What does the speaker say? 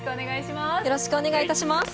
よろしくお願いします。